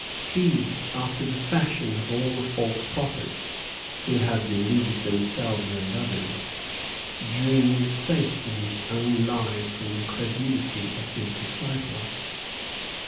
He, after the fashion of all the false prophets who have deluded themselves and others, drew new faith in his own lie from the credulity of his disciples.